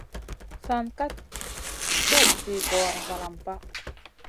San ka tuʼ zi gora valam pa.